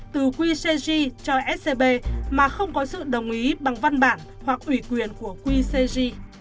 từ qcg cho scb mà không có sự đồng ý bằng văn bản hoặc ủy quyền của qcg